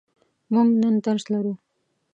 موږ نن درس لرو.